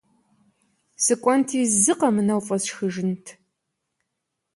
Сыкӏуэнти зы къэзмыгъанэу фӏэсшхыжынт.